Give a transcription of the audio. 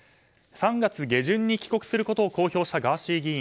３月下旬に帰国することを公表したガーシー議員。